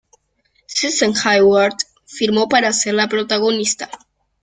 Susan Hayward firmó para ser la protagonista.